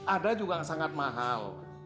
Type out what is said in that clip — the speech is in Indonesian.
ada juga yang sangat mahal